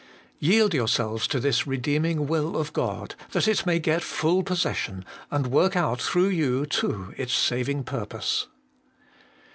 Yield yourselves to this redeeming will of God, that it may get full possession, and worh out through you too its saving purpose.